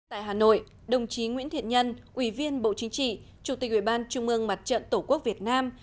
tại hà nội đồng chí nguyễn thiện nhân ủy viên bộ chính trị chủ tịch ubnd mặt trận tổ quốc việt nam